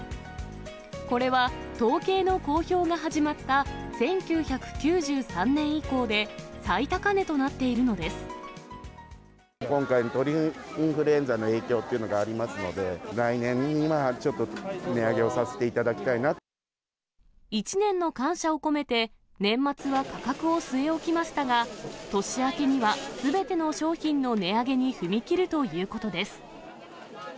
これは統計の公表が始まった１９９３年以降で最高値となって今回、鳥インフルエンザの影響っていうのがありますので、来年にはちょっと、１年の感謝を込めて、年末は価格を据え置きましたが、年明けにはすべての商品の値上げに踏み切るということです。